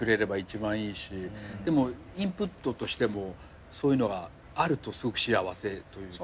でもインプットとしてもそういうのがあるとすごく幸せというか。